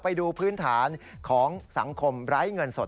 ไปดูพื้นฐานของสังคมไร้เงินสด